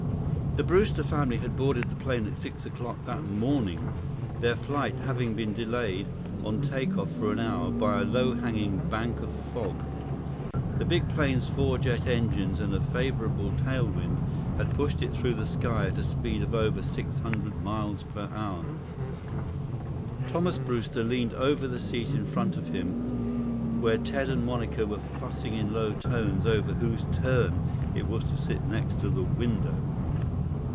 The Brewster family had boarded the plane at six o'clock that morning, their flight having been delayed on take off for an hour by a low hanging bank of fog. The big plane's four jet engines and a favorable tailwind had pushed it through the sky at a speed of over 600 miles per hour. Thomas Brewster leaned over the seat in front of him where Ted and Monica were fussing in low tones over whose turn it was to sit next to the window.